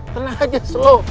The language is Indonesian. tenang aja slow